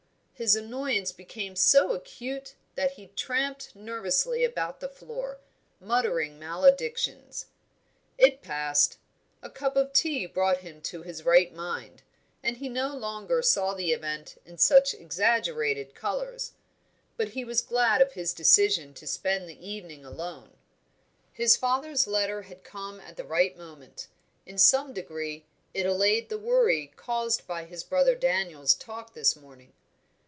His annoyance became so acute that he tramped nervously about the floor, muttering maledictions. It passed. A cup of tea brought him to his right mind, and he no longer saw the event in such exaggerated colours. But he was glad of his decision to spend the evening alone. His father's letter had come at the right moment; in some degree it allayed the worry caused by his brother Daniel's talk this morning.